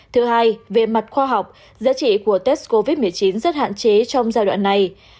thứ hai về mặt khoa học giá trị của test covid một mươi chín rất hạn chế trong giai đoạn này